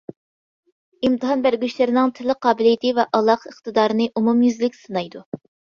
ئىمتىھان بەرگۈچىلەرنىڭ تىلى قابىلىيىتى ۋە ئالاقە ئىقتىدارنى ئومۇميۈزلۈك سىنايدۇ.